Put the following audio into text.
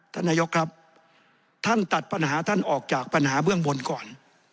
ท่านนายกครับท่านตัดปัญหาท่านออกจากปัญหาเบื้องบนก่อน